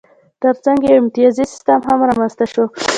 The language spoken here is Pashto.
ترڅنګ یې یو امتیازي سیستم هم رامنځته شو.